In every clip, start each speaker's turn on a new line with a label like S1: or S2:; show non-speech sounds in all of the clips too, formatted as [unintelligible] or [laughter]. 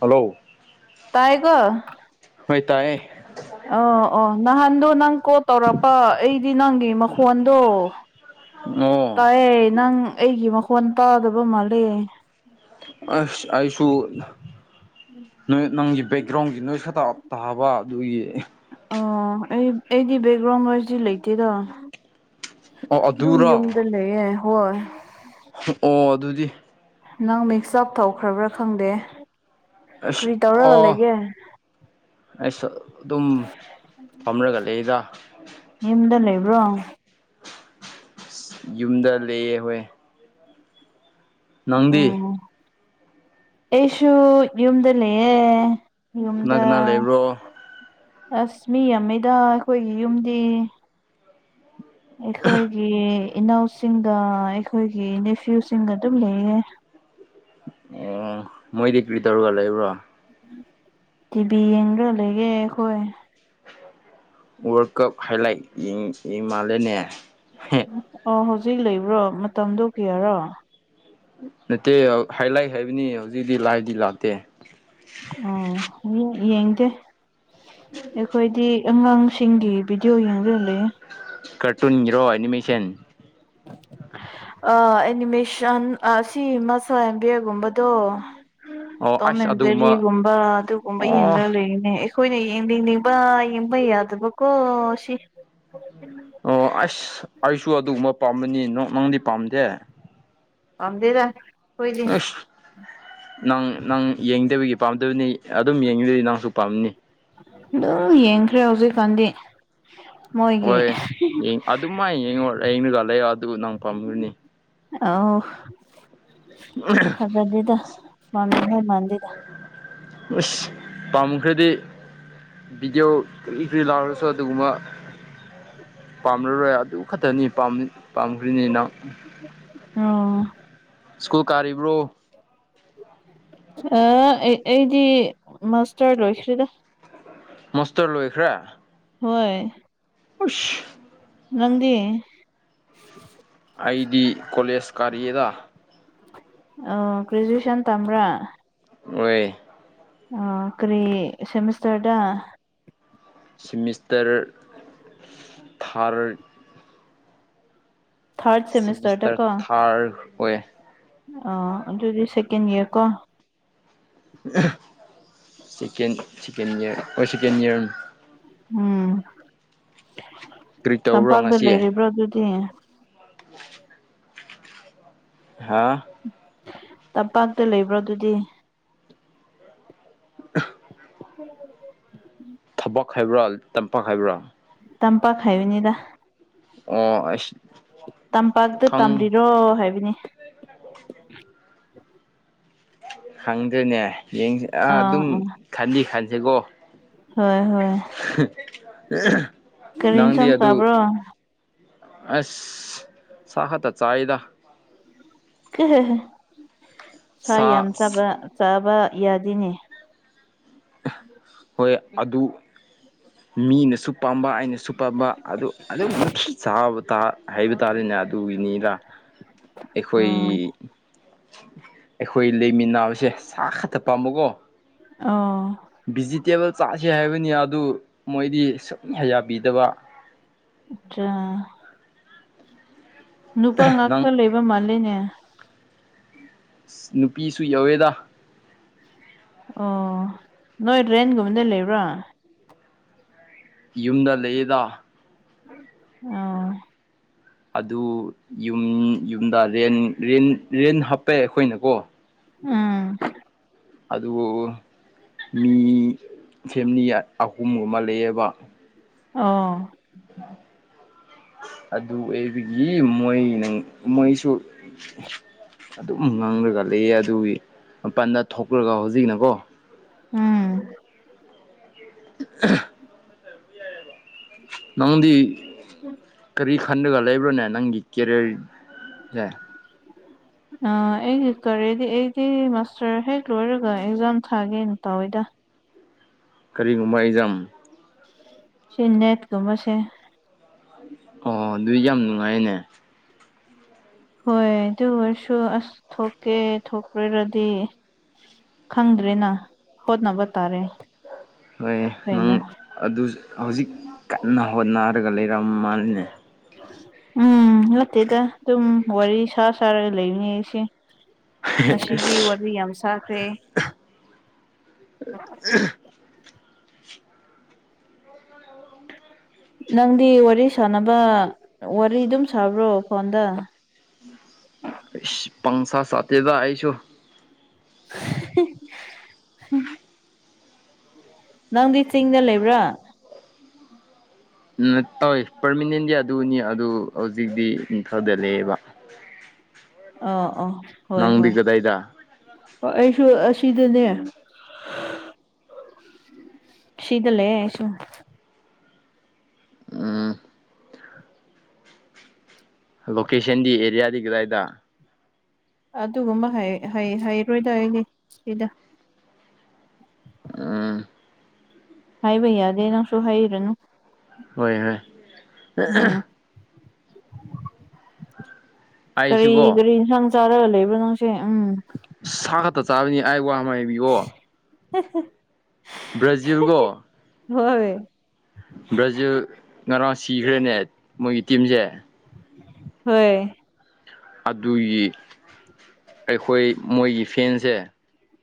S1: Hello
S2: ꯇꯥꯏꯀꯣ
S1: ꯍꯣꯏ ꯇꯥꯏꯌꯦ
S2: ꯑ ꯑꯣ ꯅꯍꯥꯟꯗꯣ ꯅꯪ ꯀꯣꯜ ꯇꯧꯔꯛꯄ ꯑꯩꯗꯤ ꯅꯪꯒꯤ ꯃꯈꯣꯟꯗꯣ
S1: ꯑꯣ
S2: ꯇꯥꯏꯌꯦ ꯅꯪ ꯑꯩꯒꯤ ꯃꯈꯣꯟ ꯇꯥꯗꯕ ꯃꯥꯜꯂꯦ
S1: ꯑꯁ ꯑꯩꯁꯨ ꯅꯣꯏ ꯅꯪꯒꯤ ꯕꯦꯛꯒ꯭ꯔꯥꯎꯟꯒꯤ ꯅꯣꯏꯁ ꯈꯇ ꯇꯥꯕ ꯑꯗꯨꯒꯤ
S2: ꯑꯣ ꯑꯩ ꯑꯩꯗꯤ ꯕꯦꯛꯒ꯭ꯔꯥꯎꯟ ꯅ‌ꯣꯏꯁꯇꯤ ꯂꯩꯇꯦꯗ
S1: ꯑꯣ
S2: ꯑꯗꯨꯝ
S1: ꯑꯗꯨꯔꯣ
S2: ꯌꯨꯝꯗ ꯂꯩꯌꯦ ꯍꯣꯏ
S1: ꯑꯣ ꯑꯗꯨꯗꯤ
S2: ꯅꯪ ꯃꯤꯛꯁ ꯑꯞ ꯇꯧꯈ꯭ꯔꯕ꯭ꯔꯥ ꯈꯪꯗꯦ
S1: ꯑꯁ
S2: ꯀꯔꯤ ꯇꯧꯔꯒ
S1: ꯑꯣ
S2: ꯂꯩꯒꯦ
S1: ꯑꯩꯁꯨ ꯑꯗꯨꯝ ꯐꯝꯔꯒ ꯂꯩꯕ꯭ꯔ
S2: ꯌꯨꯝꯗ ꯂꯩꯕ꯭ꯔꯣ
S1: ꯌꯨꯝꯗ ꯂꯩꯌꯦ ꯍꯣꯏ ꯅꯪꯗꯤ
S2: ꯎꯝ ꯑꯩꯁꯨ ꯌꯨꯝꯗ ꯂꯩꯌꯦ
S1: ꯀꯅꯥ
S2: ꯌꯨꯝꯗ
S1: ꯀꯅꯥ ꯂꯩꯕ꯭ꯔꯣ
S2: ꯑꯁ ꯃꯤ ꯌꯥꯝꯃꯤꯗ ꯑꯩꯈꯣꯏꯒꯤ ꯌꯨꯝꯗꯤ ꯑꯩꯈꯣꯏꯒꯤ ꯏꯅꯥꯎꯁꯤꯡꯒ ꯑꯩꯈꯣꯏꯒꯤ ꯅꯦꯐ꯭ꯌꯨꯁꯤꯡꯒ ꯑꯗꯨꯝ ꯂꯩꯌꯦ
S1: ꯑꯣ ꯃꯣꯏꯗꯤ ꯀ꯭ꯔꯤ ꯇꯧꯔꯒ ꯂꯩꯕ꯭ꯔꯣ
S2: ꯇꯤꯚꯤ ꯌꯦꯡꯔꯒ ꯂꯩꯌꯦ ꯑꯩꯈꯣꯏ
S1: ꯋꯥꯔꯜ ꯀꯞ ꯍꯥꯏꯂꯥꯏꯠ ꯌꯦꯡ ꯃꯥꯜꯂꯦꯅꯦ
S2: ꯑꯣ ꯍꯧꯖꯤꯛ ꯂꯩꯕ꯭ꯔꯣ ꯃꯇꯝꯗꯣ ꯀꯌꯥꯔꯣ
S1: ꯅꯠꯇꯦ ꯍꯥꯏꯂꯥꯏꯠ ꯍꯥꯏꯕꯅꯤ ꯍꯧꯖꯤꯛꯇꯤ ꯂꯥꯏꯚꯗꯤ ꯂꯥꯛꯇꯦ
S2: ꯑꯣ ꯌꯦ ꯌꯦꯡꯗꯦ ꯑꯩꯈꯣꯏꯗꯤ ꯑꯉꯥꯡꯁꯤꯡꯒꯤ ꯚꯤꯗꯤꯑꯣ ꯌꯦꯡꯔꯒ ꯂꯩꯌꯦ
S1: ꯀꯥꯔꯇꯨꯟꯒꯤꯔꯣ ꯑꯦꯅꯤꯃꯦꯁꯟ
S2: ꯑꯥ ꯑꯦꯅꯤꯃꯦꯁꯟ ꯁꯤ ꯃꯁ ꯑꯝ ꯕꯤ ꯑꯦ ꯒꯨꯝꯕꯗꯣ
S1: ꯑꯣ
S2: ꯇꯣꯝ
S1: ꯑꯁ
S2: ꯑꯦꯟ
S1: ꯑꯗꯨꯒꯨꯝꯕ
S2: ꯖꯦꯔꯤꯒꯨꯝꯕ ꯑꯗꯨꯒꯨꯝꯕ
S1: ꯑꯣ
S2: ꯌꯦꯡꯔꯒ ꯂꯩꯔꯤꯅꯦ꯫ ꯑꯈꯣꯏꯅ ꯌꯦꯡꯕꯤꯅꯤꯡꯕ ꯌꯦꯡꯕ ꯌꯥꯗꯕꯀꯣ ꯁꯤ
S1: ꯑꯣ ꯑꯁ ꯑꯩꯁꯨ ꯑꯗꯨꯒꯨꯝꯕ ꯄꯥꯝꯕꯅꯤ ꯅꯣ ꯅꯪꯗꯤ ꯄꯥꯝꯗꯦ꯫
S2: ꯄꯥꯝꯗꯦꯗꯥ
S1: ꯑꯁ! ꯅꯪ ꯅꯪ ꯌꯦꯡꯗꯕꯒꯤ ꯄꯥꯝꯗꯕꯅꯤ ꯑꯗꯨꯝ ꯌꯦꯡꯉꯤꯗꯤ ꯅꯪꯁꯨ ꯄꯥꯝꯅꯤ꯫
S2: ꯑꯗꯨꯝ ꯌꯦꯡꯈ꯭ꯔꯦ ꯍꯧꯖꯤꯛꯀꯥꯟꯗꯤ꯫ ꯃꯣꯏꯒꯤ
S1: ꯍꯣꯏ ꯌꯦꯡ ꯑꯗꯨꯃꯥꯏ ꯌꯦꯡꯉꯣ ꯌꯦꯡꯔꯒ ꯂꯩꯔ ꯑꯗꯨ ꯅꯪ ꯄꯥꯝꯒꯅꯤ꯫
S2: ꯑꯣ ꯊꯥꯖꯗꯦꯗ ꯄꯥꯝꯅꯉꯥꯏ ꯃꯥꯟꯗꯦꯗ꯫
S1: ꯎꯨꯁ ꯄꯥꯝꯈ꯭ꯔꯥꯗꯤ ꯚꯤꯗꯤꯑꯣ ꯀꯔꯤ ꯀꯔꯤ ꯂꯥꯎꯔꯁꯨ ꯑꯗꯨꯒꯨꯝꯕ ꯄꯥꯝꯂꯔꯣꯏ ꯑꯗꯨ ꯈꯛꯇꯅꯤ ꯄꯥꯝ ꯄꯥꯝꯈ꯭ꯔꯤꯅꯤ ꯅꯪ꯫
S2: ꯑꯣ
S1: ꯁ꯭ꯀꯨꯜ ꯀꯥꯔꯤꯕ꯭ꯔꯣ?
S2: ꯑꯥ ꯑꯩ ꯑꯩꯗꯤ ꯃꯥꯁꯇꯔ ꯂꯣꯏꯈ꯭꯭ꯔꯦꯗꯥ꯫
S1: ꯃꯥꯁꯇꯔ ꯂꯣꯏꯈ꯭ꯔꯦ꯫
S2: ꯍꯣꯏ
S1: ꯑꯩꯁ
S2: ꯅꯪꯗꯤ?
S1: ꯑꯩꯗꯤ ꯀꯣꯂꯦꯖ ꯀꯥꯔꯤ ꯑꯦꯗ꯫
S2: ꯑꯣ ꯒ꯭ꯔꯦꯖꯨꯌꯦꯁꯟ ꯇꯝꯕ꯭ꯔꯥ?
S1: ꯑꯣꯏ
S2: ꯑꯣ ꯀꯔꯤ ꯁꯦꯃꯤꯁꯇꯔꯗꯥ?
S1: ꯁꯤꯃꯤꯁꯇꯔ ꯊꯥꯔ
S2: ꯊꯥꯔꯠ ꯁꯦꯃꯤꯁꯇꯔꯗ
S1: ꯁꯤꯃꯤꯁꯇꯔ ꯊꯥꯔ ꯑꯣꯏꯌꯦ ꯫
S2: ꯑꯥ ꯑꯗꯨꯗꯤ ꯁꯦꯀꯦꯟ ꯏꯌꯥꯔ ꯀꯣ꯫
S1: ꯁꯦꯀꯦꯟ ꯁꯦꯀꯦꯟ ꯏꯌꯥꯔ ꯍꯣꯏ ꯁꯦꯀꯦꯟ ꯏꯌꯥꯔꯅꯤ꯫
S2: ꯎꯝ
S1: ꯀꯔꯤ ꯇꯧꯕ꯭ꯔꯣ
S2: ꯇꯝꯄꯥꯛꯇ
S1: ꯉꯁꯤ
S2: ꯂꯩꯔꯤꯕ꯭ꯔꯥ ꯑꯗꯨꯗꯤ?
S1: ꯍꯥꯥ
S2: ꯇꯝꯄꯥꯛꯇ ꯂꯩꯕ꯭ꯔꯣ ꯑꯗꯨꯗꯤ?
S1: [unintelligible] ꯊꯕꯛ ꯍꯥꯏꯕ꯭ꯔꯥ ꯇꯝꯄꯥꯛ ꯍꯥꯏꯕ꯭ꯔꯥ?
S2: ꯇꯝꯄꯥꯛ ꯍꯥꯏꯕꯅꯤꯗꯥ꯫
S1: ꯑꯣ ꯑꯩꯁ
S2: ꯇꯝꯄꯥꯛꯇ ꯇꯝꯔꯤꯔꯣ ꯍꯥꯏꯕꯅꯤ꯫
S1: [unintelligible] ꯈꯪꯗꯦꯅꯦ ꯌꯦꯡꯁ ꯑꯥ ꯑꯗꯨꯝ ꯈꯟꯗꯤ ꯈꯟꯁꯦꯀꯣ꯫
S2: ꯍꯣꯏ ꯍꯣꯏ ꯀꯔꯤ
S1: ꯅꯪꯗꯤ
S2: ꯏꯟꯁꯥꯡ
S1: ꯑꯗꯨ
S2: ꯆꯥꯕ꯭ꯔꯣ
S1: ꯑꯁ ꯁꯥ ꯈꯛꯇ ꯆꯥꯏꯗ
S2: [unintelligible] ꯁꯥ ꯌꯥꯝ ꯆꯥꯕ ꯆꯥꯕ ꯌꯥꯗꯦꯅꯦ
S1: ꯍꯣꯏ ꯑꯗꯨ ꯃꯤꯅꯁꯨ ꯄꯥꯝꯕ ꯑꯩꯅꯁꯨ ꯄꯥꯝꯕ ꯑꯗꯨ ꯑꯗꯨꯝ ꯅꯨꯡꯈꯤ ꯆꯥꯕ ꯇꯥ ꯍꯥꯏꯕ ꯇꯥꯔꯦꯅꯦ ꯑꯗꯨꯒꯤꯅꯤꯗ ꯑꯩꯈꯣꯏ
S2: ꯑꯣ
S1: ꯑꯩꯈꯣꯏ ꯂꯩꯃꯤꯟꯅꯕꯁꯦ ꯁꯥ ꯈꯛꯇ ꯄꯥꯝꯕꯀꯣ
S2: ꯑꯣ
S1: ꯚꯤꯖꯤꯇꯦꯕꯜ ꯆꯥꯥꯁꯦ ꯍꯥꯏꯕꯅꯤ ꯑꯗꯨ ꯃꯣꯏꯗꯤ ꯁꯨꯡꯌꯥ ꯌꯥꯕꯤꯗꯕ
S2: ꯑꯠꯆꯥ ꯅꯨꯄꯥ ꯉꯥꯛꯇ
S1: ꯅꯪ
S2: ꯂꯩꯕ ꯃꯥꯜꯂꯦꯅꯦ
S1: ꯅꯨꯄꯤꯁꯨ ꯌꯧꯋꯦꯗ
S2: ꯑꯣ ꯅꯣꯏ ꯔꯦꯟꯒꯨꯝꯕꯗ ꯂꯩꯕ꯭ꯔꯥ
S1: ꯌꯨꯝꯗ ꯂꯩꯌꯦꯗ
S2: ꯑ
S1: ꯑꯗꯨ ꯌꯨꯝ ꯌꯨꯝꯗ ꯔꯦꯟ ꯔꯦꯟ ꯔꯦꯟ ꯍꯥꯞꯄꯦ ꯑꯩꯈꯣꯏꯅꯀꯣ
S2: ꯎꯝ
S1: ꯑꯗꯨꯕꯨ ꯃꯤ ꯐꯦꯃꯤꯂꯤ ꯑꯍꯨꯝꯒꯨꯝꯕ ꯂꯩꯌꯦꯕ
S2: ꯑꯣ
S1: ꯑꯗꯨ ꯑꯩꯕꯒꯤ ꯃꯣꯏ ꯅꯪ ꯃꯣꯏꯁꯨ ꯑꯗꯨꯝ ꯉꯥꯡꯂꯒ ꯂꯩꯌꯦ ꯑꯗꯨꯒꯤ ꯃꯄꯥꯟꯗ ꯊꯣꯛꯔꯒ ꯍꯧꯖꯤꯛꯅꯀꯣ
S2: ꯎꯝ
S1: [unintelligible] ꯅꯪꯗꯤ ꯀꯔꯤ ꯈꯟꯗꯒ ꯂꯩꯕ꯭ꯔꯣꯅꯦ ꯅꯪꯒꯤ ꯀꯦꯔꯤꯌꯔ ꯁꯦ
S2: [inaudible] ꯑ ꯑꯩꯒꯤ ꯀꯔꯤꯗꯤ ꯑꯩꯗꯤ ꯃꯥꯁꯇꯔ ꯍꯦꯛ ꯂꯣꯏꯔꯒ ꯑꯦꯛꯖꯥꯝ ꯊꯥꯒꯦꯅ ꯇꯧꯋꯤꯗ
S1: ꯀꯔꯤꯒꯨꯝꯕ ꯑꯦꯛꯖꯥꯝ
S2: ꯁꯤ ꯅꯦꯠꯒꯨꯝꯕꯁꯦ
S1: ꯑꯣ ꯑꯗꯨ ꯌꯥꯝ ꯅꯨꯡꯉꯥꯏꯌꯦꯅꯦ
S2: ꯍꯣꯏ ꯑꯗꯨ ꯑꯣꯏꯔꯁꯨ ꯑꯁ ꯊꯣꯛꯀꯦ ꯊꯣꯛꯄꯔꯗꯤ ꯈꯪꯗ꯭ꯔꯦꯅ ꯍꯣꯠꯅꯕ ꯇꯥꯔꯦ
S1: ꯍꯣꯏ ꯅꯪ
S2: ꯀꯩꯅꯣ
S1: ꯑꯗꯨ ꯍꯧꯖꯤꯛ ꯀꯟꯅ ꯍꯣꯠꯅꯔꯒ ꯂꯩꯔꯝ ꯃꯥꯜꯜꯂꯤꯅꯦ
S2: ꯎꯝ ꯅꯠꯇꯦꯗ ꯑꯗꯨꯝ ꯋꯥꯔꯤ ꯁꯥ ꯁꯥꯔꯒ ꯂꯩꯕꯅꯦ ꯑꯩꯁꯦ ꯉꯁꯤꯗꯤ ꯋꯥꯔꯤ ꯌꯥꯝ ꯁꯥꯈ꯭ꯔꯦ
S1: [unintelligible]
S2: ꯅꯪꯗꯤ ꯋꯥꯔꯤ ꯁꯥꯅꯕ ꯋꯥꯔꯤ ꯑꯗꯨꯝ ꯁꯥꯕ꯭ꯔꯣ ꯐꯣꯟꯗ
S1: ꯄꯪꯁꯥ ꯁꯥꯇꯦꯗ ꯑꯩꯁꯨ
S2: [unintelligible] ꯅꯪꯗꯤ ꯆꯤꯡꯗ ꯂꯩꯕ꯭ꯔꯥ
S1: ꯅꯠ ꯑꯣꯏ ꯄꯔꯃꯤꯅꯦꯟꯗꯤ ꯑꯗꯨꯅꯤ ꯑꯗꯨ ꯍꯧꯖꯤꯛꯇꯤ ꯏꯝꯐꯥꯜꯗ ꯂꯩꯌꯦꯕ
S2: ꯑ ꯑꯣ ꯍꯣꯏ
S1: ꯅꯪꯗꯤ
S2: ꯍꯣꯏ
S1: ꯀꯗꯥꯏꯗ
S2: ꯑꯩꯁꯨ ꯑꯁꯤꯗꯅꯦ ꯁꯤꯗ ꯂꯩꯌꯦ ꯑꯩꯁꯨ
S1: ꯎꯝ ꯂꯣꯀꯦꯁꯟꯗꯤ ꯑꯦꯔꯤꯌꯥꯗꯤ ꯀꯗꯥꯏꯗ
S2: ꯑꯗꯨꯒꯨꯝꯕ ꯍꯥꯏ ꯍꯩ ꯍꯥꯏꯔꯣꯏꯗ ꯑꯩꯗꯤ ꯁꯤꯗ
S1: ꯎꯝ
S2: ꯍꯥꯏꯕ ꯌꯥꯗꯦ ꯅꯪꯁꯨ ꯍꯥꯏꯔꯅꯨ
S1: ꯍꯣꯏ ꯍꯣꯏ
S2: ꯎꯝ ꯀꯔꯤ
S1: ꯑꯩꯁꯤꯀꯣ
S2: ꯀꯔꯤ ꯏꯟꯁꯥꯡ ꯆꯥꯔꯒ ꯂꯩꯕ꯭ꯔꯣ ꯅꯪꯁꯦ ꯎꯝ
S1: ꯁꯥ ꯈꯛꯇ ꯆꯥꯒꯅꯤ ꯑꯩ ꯋꯥꯥꯃꯩ
S2: [unintelligible]
S1: ꯕ꯭ꯔꯖꯤꯜꯒꯣ
S2: ꯍꯣꯏ
S1: ꯕ꯭ꯔꯖꯤꯜ ꯉꯔꯥꯡ ꯁꯤꯈ꯭ꯔꯦꯅꯦ ꯃꯣꯏꯒꯤ ꯇꯤꯝꯁꯦ꯫
S2: ꯍꯣꯏ
S1: ꯑꯗꯨꯒꯤ ꯑꯩꯈꯣꯏ ꯃꯣꯏꯒꯤ ꯐꯦꯟꯁꯦ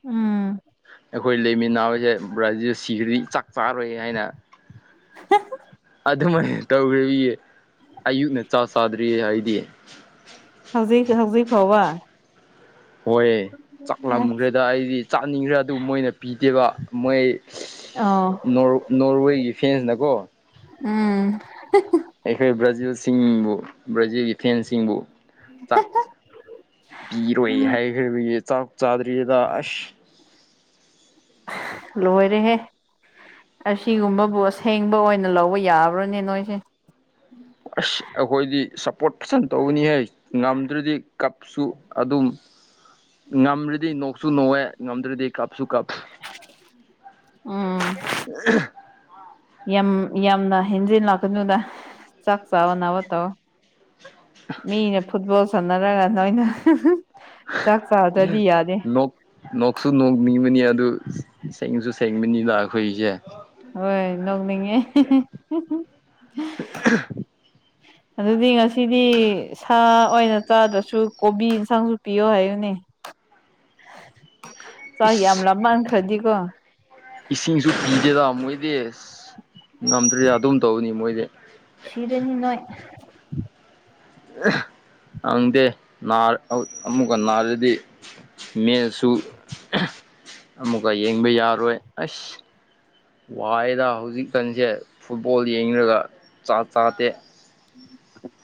S2: ꯎꯝ
S1: ꯑꯩꯈꯣꯏ ꯂꯩꯃꯤꯟꯅꯕꯁꯦ ꯕ꯭ꯔꯥꯖꯤꯜ ꯁꯤꯈ꯭ꯔꯗꯤ ꯆꯥꯛ ꯆꯥꯔꯣꯏ ꯍꯥꯏꯅ ꯑꯗꯨꯃꯥꯏꯅ ꯇꯧꯈ꯭ꯔꯕꯤ ꯑꯌꯨꯛꯅ ꯆꯥꯛ ꯆꯥꯗ꯭ꯔꯤꯌꯦ ꯑꯩꯗꯤ꯫
S2: ꯍꯧꯖꯤꯛ ꯍꯧꯖꯤꯛ ꯐꯥꯎꯕ
S1: ꯍꯣꯏ ꯆꯥꯛꯂꯝꯈ꯭ꯔꯦꯗ ꯑꯩꯗꯤ ꯆꯥꯅꯤꯡꯈ꯭ꯔꯦ ꯑꯗꯨ ꯃꯣꯏꯅ ꯄꯤꯗꯦꯕ ꯃꯣꯏ
S2: ꯑꯣ
S1: ꯅꯣꯔ ꯅꯣꯔꯋꯦꯒꯤ ꯐꯦꯟꯅ ꯀꯣ
S2: ꯎꯝ
S1: ꯑꯩꯈꯣꯏ ꯕ꯭ꯔꯥꯖꯤꯜꯁꯤꯡꯕꯨ ꯕ꯭ꯔꯥꯖꯤꯜꯒꯤ ꯐꯦꯟꯁꯤꯡꯕꯨ ꯆꯥꯛ ꯄꯤꯔꯣꯏ ꯍꯥꯏꯈ꯭ꯔꯕꯒꯤ ꯆꯥꯛ ꯆꯥꯗ꯭ꯔꯤꯗ ꯑꯁ꯫
S2: ꯂꯣꯏꯔꯦꯍꯦ! ꯑꯁꯤꯒꯨꯝꯕꯕꯨ ꯑꯁꯦꯡꯕ ꯑꯣꯏꯅ ꯂꯧꯕ ꯌꯥꯕ꯭ꯔꯥꯅꯦ ꯅꯣꯏꯁꯦ?
S1: ꯑꯁ ꯑꯩꯈꯣꯏꯗꯤ ꯁꯞꯄꯣꯔꯠ ꯐꯖꯅ ꯇꯧꯕꯅꯤꯍꯦ ꯉꯝꯗ꯭ꯔꯗꯤ ꯀꯞ ꯁꯨ ꯑꯗꯨꯝ ꯉꯝꯔꯗꯤ ꯅꯣꯛ ꯁꯨ ꯅꯣꯛꯑꯦ ꯉꯝꯗ꯭ꯔꯗꯤ ꯀꯞꯁꯨ ꯀꯞꯄꯤ꯫
S2: ꯎꯝ ꯌꯥꯝ ꯌꯥꯝꯅ ꯍꯦꯟꯖꯤꯜꯂꯥꯛꯀꯗꯨꯗ ꯆꯥꯛ ꯆꯥꯕ ꯅꯥꯕ ꯇꯧ ꯑꯣ ꯫ ꯃꯤꯅ ꯐꯨꯠꯕꯣꯜ ꯁꯥꯟꯅꯔꯒ ꯅꯣꯏꯅ ꯆꯥꯛ ꯆꯥꯗ꯭ꯔꯗꯤ ꯌꯥꯗꯦ
S1: ꯅꯣꯛ ꯅꯣꯛꯁꯨ ꯅꯣꯛꯅꯤꯡꯕꯅꯤ ꯑꯗꯨ ꯁꯦꯡꯁꯨ ꯁꯦꯡꯕꯅꯤꯗ ꯑꯩꯈꯣꯏꯁꯦ꯫
S2: ꯍꯣꯏ ꯅꯣꯡꯅꯤꯡꯉꯦ ꯫ ꯑꯗꯨꯗꯤ ꯉꯁꯤꯗꯤ ꯁꯥ ꯑꯣꯏꯅ ꯆꯥꯗ꯭ꯔꯁꯨ ꯀꯣꯕꯤ ꯏꯟꯁꯥꯡꯁꯨ ꯄꯤꯌꯣ ꯍꯥꯏꯌꯨꯅꯦ꯫ ꯆꯥꯛ ꯌꯥꯝ
S1: ꯏꯁ
S2: ꯂꯥꯝꯃꯟ ꯈ꯭ꯔꯗꯤꯀꯣ
S1: ꯏꯁꯤꯡꯁꯨ ꯄꯤꯗꯦꯗ ꯃꯣꯏꯗꯤ ꯉꯝꯗ꯭ꯔꯦꯗ ꯑꯗꯨꯝ ꯇꯧꯅꯤ ꯃꯣꯏꯗꯤ꯫
S2: ꯁꯤꯔꯅꯤ ꯅꯣꯏ꯫
S1: ꯈꯪꯗꯦ ꯅꯥꯔ ꯑꯃꯨꯛꯀ ꯅꯥꯔꯗꯤ ꯃꯦꯁꯨ ꯑꯃꯨꯛꯀ ꯌꯦꯡꯕ ꯌꯥꯔꯣꯏ ꯑꯁ! ꯋꯥꯏꯗ ꯍꯧꯖꯤꯛꯀꯥꯟꯁꯦ ꯐꯨꯠꯕꯣꯜ ꯌꯦꯡꯔꯒ ꯆꯥꯛ ꯆꯥꯗꯦ꯫
S2: [unintelligible]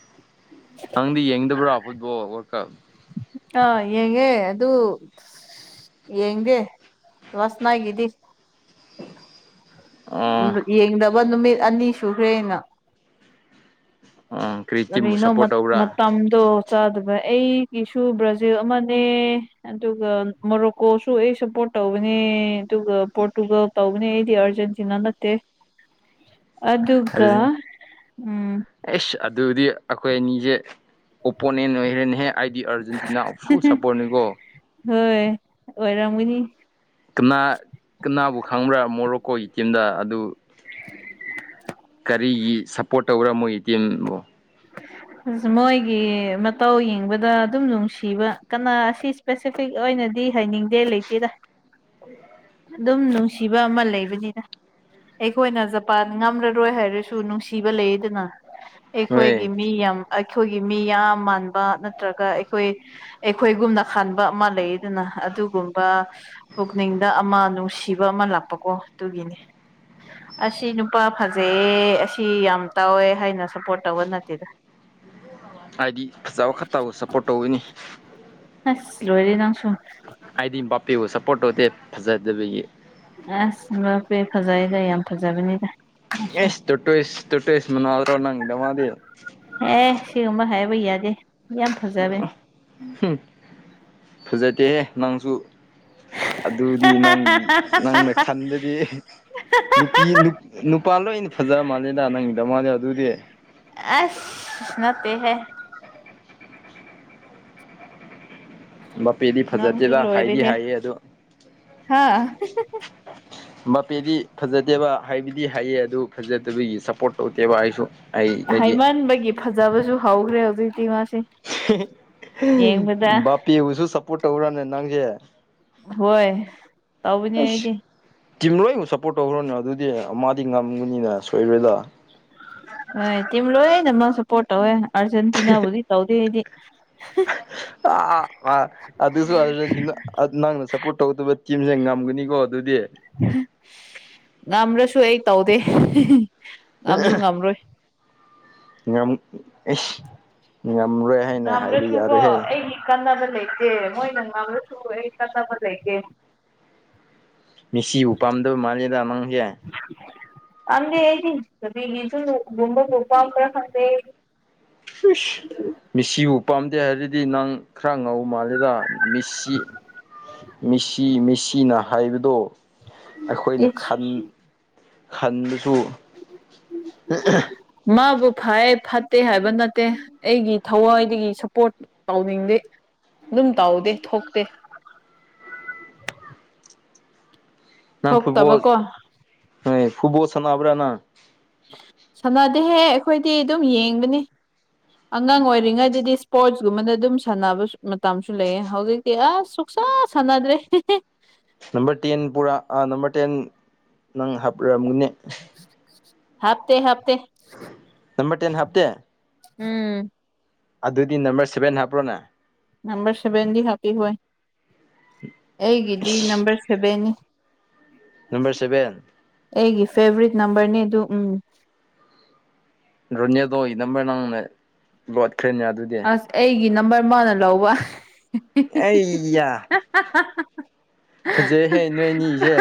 S1: ꯅꯪꯗꯤ ꯌꯦꯡꯗꯕ꯭ꯔꯥ ꯐꯨꯠꯕꯣꯜ ꯋꯥꯔꯜ ꯀꯞ?
S2: ꯑ ꯌꯦꯡꯉꯦ ꯑꯗꯨ ꯌꯦꯡꯗꯦ ꯂꯥꯁꯅꯥꯏꯠꯀꯤꯗꯤ
S1: ꯑꯣ
S2: ꯌꯦꯡꯗꯕ ꯅꯨꯃꯤꯠ ꯑꯅꯤ ꯁꯨꯈ꯭ꯔꯦꯅ꯫
S1: ꯎꯝ
S2: ꯀꯔꯤꯅꯣ ꯃꯠ ꯃꯇꯝꯗꯣ ꯆꯥꯗꯕ ꯑꯩꯒꯤꯁꯨ ꯕ꯭ꯔꯥꯖꯤꯜ ꯑꯃꯅꯦ꯫ ꯑꯗꯨꯒ ꯃꯣꯔꯣꯀꯣꯁꯨ ꯑꯩ ꯁꯞꯄꯣꯔꯠ ꯇꯧꯕꯅꯦ ꯑꯗꯨꯒ ꯄꯣꯔꯇꯨꯒꯜ ꯇꯧꯕꯅꯤ ꯑꯩꯗꯤ ꯑꯥꯔꯖꯦꯟꯇꯤꯅꯥ ꯅꯠꯇꯦ ꯑꯗꯨꯒ ꯎꯝ
S1: ꯑꯦꯁ ꯑꯗꯨꯗꯤ ꯑꯈꯣꯏ ꯑꯅꯤꯁꯦ ꯑꯣꯄꯣꯅꯦꯟ ꯑꯣꯏꯈ꯭ꯔꯅꯦꯍꯦ꯫ ꯑꯩꯗꯤ ꯑꯥꯔꯖꯦꯟꯇꯤꯅꯥ ꯐꯨꯜ ꯁꯄꯣꯔꯠꯅꯤꯀꯣ꯫
S2: ꯍꯣꯏ ꯑꯣꯔꯝꯒꯅꯤ꯫
S1: ꯀꯅꯥ ꯀꯅꯥꯕꯨ ꯈꯪꯕ꯭ꯔꯥ ꯃꯣꯔꯣꯀꯣꯒꯤ ꯇꯤꯝꯗ ꯑꯗꯨ
S2: [unintelligible]
S1: ꯀꯔꯤꯒꯤ ꯁꯞꯄꯣꯔꯠ ꯇꯧꯕ꯭ꯔꯥ ꯃꯣꯏꯒꯤ ꯇꯤꯝꯕꯨ?
S2: ꯃꯣꯏꯒꯤ ꯃꯇꯧ ꯌꯦꯡꯕꯗ ꯑꯗꯨꯝ ꯅꯨꯡꯁꯤꯕ ꯀꯅꯥ ꯑꯁꯤ ꯏꯁꯄꯦꯁꯤꯐꯤꯛ ꯑꯣꯏꯅꯗꯤ ꯍꯥꯏꯅꯤꯡꯗꯦ ꯂꯩꯇꯦꯗ꯫ ꯑꯗꯨꯝ ꯅꯨꯡꯁꯤꯕ ꯑꯃ ꯂꯩꯕꯅꯤꯗ꯫ ꯑꯩꯈꯣꯏꯅ ꯖꯄꯥꯟ ꯉꯝꯔꯔꯣꯏ ꯍꯥꯏꯔꯁꯨ ꯅꯨꯡꯁꯤꯕ ꯂꯩꯗꯅ ꯑꯩꯈꯣꯏꯒꯤ
S1: ꯍꯣꯏ
S2: ꯃꯤ ꯌꯥꯝ ꯑꯩꯈꯣꯏꯒꯤ ꯃꯤ ꯌꯥꯝ ꯃꯥꯟꯕ ꯅꯠꯇ꯭ꯔꯒ ꯑꯩꯈꯣꯏ ꯑꯩꯈꯣꯏꯒꯨꯝꯅ ꯈꯟꯕ ꯑꯃ ꯂꯩꯗꯅ ꯑꯗꯨꯒꯨꯝꯕ ꯄꯨꯛꯅꯤꯡꯗ ꯑꯃ ꯅꯨꯡꯁꯤꯕ ꯑꯃ ꯂꯥꯛꯄꯀꯣ ꯑꯗꯨꯒꯤꯅꯦ ꯑꯁꯤ ꯅꯨꯄꯥ ꯐꯖꯩꯌꯦ ꯑꯁꯤ ꯌꯥꯝ ꯇꯧꯋꯦ ꯍꯥꯏꯅ ꯁꯄꯣꯔꯠ ꯇꯧꯕ ꯅꯠꯇꯦꯗ
S1: ꯑꯥꯏꯗꯤ ꯐꯖꯕ ꯈꯠꯇꯕꯨ ꯁꯞꯄꯣꯔꯠ ꯇꯧꯒꯅꯤ
S2: ꯑꯁ ꯂꯣꯏꯔꯦ ꯅꯪꯁꯨꯨ
S1: ꯑꯥꯏꯗꯤ ꯕꯥꯄꯦꯕꯨ ꯁꯞꯄꯣꯔꯠ ꯇꯧꯗꯦ ꯐꯖꯗꯕꯒꯤ
S2: ꯑꯁ ꯕꯥꯞꯄꯦ ꯐꯖꯩꯌꯦꯗ ꯌꯥꯝ ꯐꯖꯕꯅꯤꯗ ꯅꯪꯁꯨ
S1: ꯑꯦꯁ ꯇꯨꯔꯇꯣꯏꯁ ꯇꯨꯔꯇꯣꯏꯁ ꯃꯅꯥꯎꯔꯣ ꯅꯪꯒꯤꯗꯃꯛꯇꯤ
S2: ꯑꯦ ꯁꯤꯒꯨꯝꯕ ꯍꯥꯏꯕ ꯌꯥꯗꯦ ꯌꯥꯝ ꯐꯖꯕꯦ
S1: ꯍꯨꯡ ꯐꯖꯗꯦꯍꯦ ꯅꯪꯁꯨ ꯑꯗꯨꯗꯤ ꯅꯪꯒꯤ ꯅꯪꯅ ꯈꯟꯕꯗꯤ ꯅꯨꯄꯤ ꯅꯨꯄꯥ ꯂꯣꯏꯅ ꯐꯖꯕ ꯃꯥꯜꯂꯦꯗ ꯅꯪꯒꯤꯗꯃꯛꯗꯤ ꯑꯗꯨꯗꯤ
S2: ꯑꯁ ꯅꯠꯇꯦꯍꯦ
S1: ꯕꯥꯄꯦꯗꯤ
S2: ꯅꯪꯁꯨ
S1: ꯐꯖꯗꯦꯗ ꯍꯥꯏꯗꯤ
S2: ꯂꯣꯏꯔꯦꯍꯦ
S1: ꯍꯥꯏꯌꯦ ꯑꯗꯨ
S2: ꯍꯥꯥ
S1: ꯕꯥꯗꯤ ꯐꯖꯗꯦꯕ ꯍꯩꯕꯗꯤ ꯍꯩꯌꯦ ꯑꯗꯨ ꯐꯖꯗꯕꯒꯤ ꯁꯞꯄꯣꯔꯠ ꯇꯧꯗꯦꯕ ꯑꯩꯁꯨ ꯑꯩ ꯑꯩꯗꯤ
S2: ꯍꯩꯃꯟꯕꯒꯤ ꯐꯖꯕꯁꯨ ꯍꯧꯈ꯭ꯔꯦ ꯍꯧꯖꯤꯛꯇꯤ ꯃꯥꯁꯦ ꯌꯦꯡꯕꯗ
S1: ꯕꯥꯄꯦꯕꯨꯁꯨ ꯁꯞꯄꯣꯔꯠ ꯇꯧꯕ꯭ꯔꯅꯦ ꯅꯪꯁꯦ
S2: ꯍꯣꯏ ꯇꯧꯕꯅꯦ
S1: ꯑꯩꯁ
S2: ꯑꯩꯗꯤ
S1: ꯇꯤꯝ ꯂꯣꯏꯕꯨ ꯁꯞꯄꯣꯔꯠ ꯇꯧꯈ꯭ꯔꯣꯅꯦ ꯑꯗꯨꯗꯤ ꯑꯃꯥꯗꯤ ꯉꯝꯒꯅꯤꯅ ꯁꯣꯏꯔꯣꯏꯗ
S2: ꯍꯣꯏ ꯇꯤꯝ ꯂꯣꯏꯅꯃꯛ ꯁꯞꯄꯣꯔꯠ ꯇꯧꯋꯦ ꯑꯥꯔꯖꯦꯟꯇꯤꯅꯥꯕꯨꯗꯤ ꯇꯧꯗꯦ ꯑꯩꯗꯤ
S1: ꯑꯥ ꯑꯥ ꯑꯗꯨꯁꯨ ꯑꯔꯖꯦꯟꯇꯤꯅꯥ ꯅꯪꯅ ꯁꯄꯣꯔꯠ ꯇꯧꯗꯕ ꯇꯤꯝꯁꯦ ꯉꯝꯒꯅꯤꯀꯣ ꯑꯗꯨꯗꯤ
S2: ꯉꯝꯔꯁꯨ ꯑꯩ ꯇꯧꯗꯦ ꯉꯝꯁꯨ ꯉꯝꯔꯣꯏ
S1: ꯉꯝ ꯑꯩꯁ ꯉꯝꯔꯣꯏ ꯍꯥꯏꯅ ꯍꯥꯏꯕ
S2: ꯉꯝꯔꯁꯨꯀꯣ
S1: ꯌꯥꯔꯣꯏꯍꯦ
S2: ꯑꯩꯒꯤ ꯀꯥꯟꯅꯕ ꯂꯩꯇꯦ ꯃꯣꯏꯅ ꯉꯝꯂꯁꯨ ꯑꯩ ꯀꯥꯟꯅꯕ ꯂꯩꯇꯦ
S1: ꯃꯦꯁꯤꯕꯨ ꯄꯥꯝꯗꯕ ꯃꯥꯂꯦꯗ ꯅꯪꯁꯦ
S2: ꯄꯥꯝꯗꯦ ꯑꯩꯗꯤ [unintelligible] ꯒꯨꯝꯕꯕꯨ ꯄꯥꯝꯕ꯭ꯔ ꯈꯪꯗꯦ
S1: ꯏꯁ ꯃꯤꯁꯤꯕꯨ ꯄꯥꯝꯗꯦ ꯍꯥꯏꯔꯗꯤ ꯅꯪ ꯈꯔ ꯉꯧꯕ ꯃꯥꯜꯂꯦꯗ ꯃꯤꯁꯤ ꯃꯤꯁꯤ ꯃꯤꯁꯤꯅ ꯍꯥꯏꯕꯗꯣ ꯑꯩꯈꯣꯏꯅ
S2: ꯏꯁ
S1: ꯈꯟ ꯈꯟꯕꯁꯨ
S2: ꯃꯥꯕꯨ ꯐꯩ ꯐꯠꯇꯦ ꯍꯥꯏꯕ ꯅꯠꯇꯦ ꯑꯩꯒꯤ ꯊꯋꯥꯏꯗꯒꯤ ꯁꯞꯄꯣꯔꯠ ꯇꯧꯅꯤꯡꯗꯦ ꯑꯗꯨꯝ ꯇꯧꯗꯦ ꯊꯣꯛꯇꯦ
S1: ꯅꯪ ꯐꯨꯠꯕꯣꯜ
S2: ꯊꯣꯛꯇꯕꯀꯣ
S1: ꯍꯣꯏ ꯐꯨꯠꯕꯣꯜ ꯁꯥꯟꯅꯕ꯭ꯔ ꯅꯪ
S2: ꯁꯥꯟꯅꯗꯦꯍꯦ ꯑꯩꯈꯣꯏꯗꯤ ꯑꯗꯨꯝ ꯌꯦꯡꯕꯅꯤ ꯑꯉꯥꯡ ꯑꯣꯏꯔꯤꯉꯩꯗꯗꯤ ꯏꯁꯄꯣꯔꯠꯁꯀꯨꯝꯕꯗ ꯑꯗꯨꯝ ꯁꯥꯟꯅꯕ ꯃꯇꯝꯁꯨ ꯂꯩꯑꯦ ꯍꯧꯖꯤꯛ ꯇꯤ ꯑꯁ ꯁꯨꯛꯁꯥ ꯁꯥꯟꯅꯗ꯭ꯔꯦ ꯍꯦꯍꯦ
S1: ꯅꯝꯕꯔ ꯇꯦꯟ ꯄꯨꯔꯥ ꯅꯝꯕꯔ ꯇꯦꯟ ꯅꯪ ꯍꯥꯞꯔꯝꯒꯅꯤ
S2: ꯍꯥꯞꯇꯦ ꯍꯥꯞꯇꯦ
S1: ꯅꯝꯕꯔ ꯇꯦꯟ ꯍꯥꯞꯇꯦ
S2: ꯎꯝ
S1: ꯑꯗꯨꯗꯤ ꯅꯝꯕꯔ ꯁꯚꯦꯟ ꯍꯥꯞꯄ꯭ꯔꯣꯅꯦ
S2: ꯅꯝꯕꯔ ꯁꯚꯦꯟꯗꯤ ꯍꯥꯞꯄꯤ ꯍꯣꯏ ꯑꯩꯒꯤꯗꯤ ꯅꯝꯕꯔ ꯁꯚꯦꯟꯅꯤ [inaudible]
S1: ꯅꯝꯕꯔ ꯁꯕꯦꯟ
S2: ꯑꯩꯒꯤ ꯐꯦꯕꯔꯤꯠ ꯅꯝꯕꯔꯅꯤ ꯑꯗꯨ ꯎꯝ
S1: ꯔꯣꯅꯦꯜꯗꯣꯒꯤ ꯅꯝꯕꯔ ꯅꯪꯅ ꯂꯣꯠꯈ꯭ꯔꯦꯅꯦ ꯑꯗꯨꯗꯤ
S2: ꯑꯁ ꯑꯩꯒꯤ ꯅꯝꯕꯔ ꯃꯥꯅ ꯂꯧꯕ
S1: ꯑꯩꯌꯥ ꯐꯖꯩꯍꯦ ꯅꯣꯏꯅꯤꯒꯤꯁꯦ!